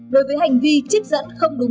đối với hành vi trích dẫn không đúng